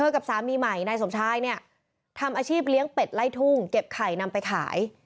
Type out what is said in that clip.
เก็บไข่นำไปขาย